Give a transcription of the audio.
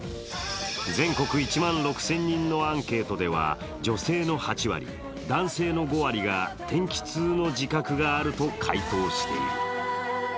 全国１万６０００人のアンケートでは女性の８割、男性の５割が天気痛の自覚があると回答している。